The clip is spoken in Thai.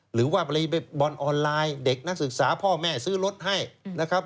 หรือว่าบอลออนไลน์เด็กนักศึกษาพ่อแม่ซื้อรถให้นะครับ